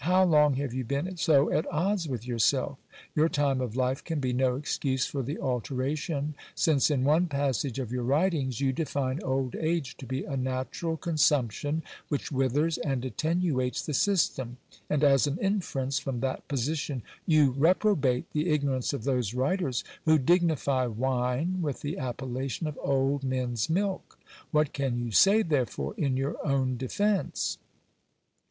How long have you been so at odds with yourself? Your time of life can be no excuse for the alteration ; since, in one passage of your writings, you define old age to be a natural consumption, which withers and attenuates the system ; and as an inference from that position, you reprobate the ignorance of those writers who dignify wine with the appellation of old men's milk. What can you say, there fore, in your own defence